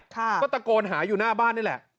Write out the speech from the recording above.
ก็ตะโกนหาอยู่หน้าบ้านนี่แหละ